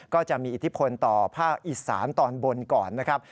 ก็จะมีอิทธิพลต่อภาคอีสานตอนบนก่อนนะครับ